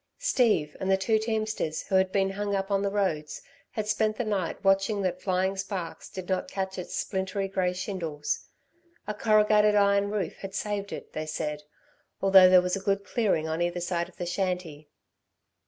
Steve and two teamsters who had been hung up on the roads had spent the night watching that flying sparks did not catch its splintery grey shingles. A corrugated iron roof had saved it, they said, although there was a good clearing on either side of the shanty.